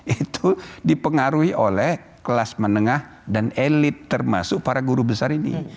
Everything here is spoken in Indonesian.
itu dipengaruhi oleh kelas menengah dan elit termasuk para guru besar ini